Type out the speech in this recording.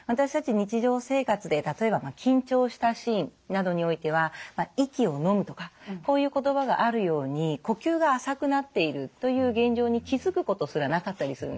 日常生活で例えば緊張したシーンなどにおいては息をのむとかこういう言葉があるように呼吸が浅くなっているという現状に気付くことすらなかったりするんです。